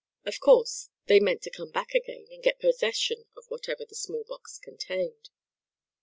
Of course they meant to come back again, and get possession of whatever that small box contained.